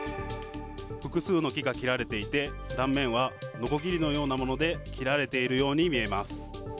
複数の木が切られていて、断面はのこぎりのようなもので切られているように見えます。